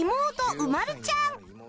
うまるちゃん』